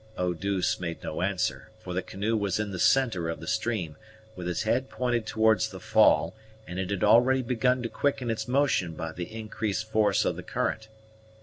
Eau douce made no answer; for the canoe was in the centre of the stream, with its head pointed towards the fall, and it had already begun to quicken its motion by the increased force of the current.